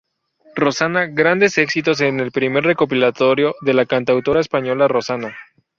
Rosana: Grandes Éxitos, es el primer recopilatorio de la cantautora española Rosana.